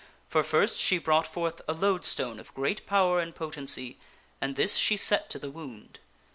For first she brought forth a loadstone of great power and potency and this she set to the wound.